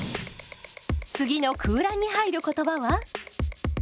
次の空欄に入る言葉は？